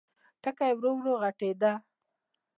ټکی ورو، ورو غټېده.